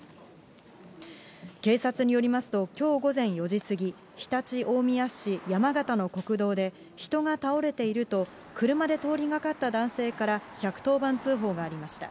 警察によりますと、きょう午前４時過ぎ、常陸大宮市やまがたの国道で、人が倒れていると、車で通りがかった男性から１１０番通報がありました。